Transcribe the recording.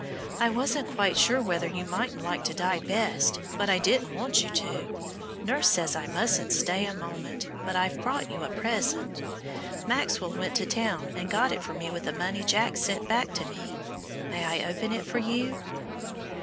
I wasn't quite sure whether you mightn't like to die best, but I didn't want you to. Nurse says I mustn't stay a moment, but I've brought you a present. Maxwell went to the town and got it for me with the money Jack sent back to me. May I open it for you?"